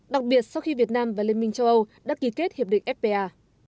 đặc biệt sau khi việt nam và liên minh châu âu đã ký kết hiệp định fpa